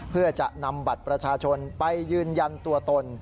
เพื่อจะนำบัตรประชาชนไปยืนยันตัวตน